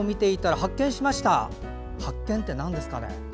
発見ってなんですかね？